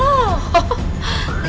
beberapa hari mereka ber feudal e